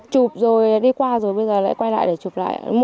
chụp rồi đi qua rồi bây giờ lại quay lại để chụp lại